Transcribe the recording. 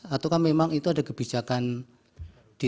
atau memang itu ada kebijakan di